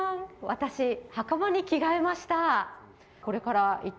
私、はかまに着替えました。